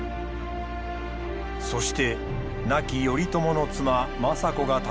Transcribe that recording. そして亡き頼朝の妻政子が立ち上がる。